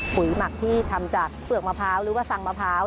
หมักที่ทำจากเปลือกมะพร้าวหรือว่าสั่งมะพร้าว